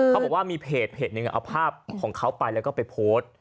เขาบอกว่ามีเพจหนึ่งเอาภาพของเขาไปแล้วก็ไปโพสต์